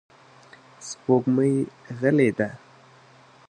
سپوږمۍ غلې ده.